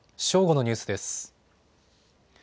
正午のニュースです。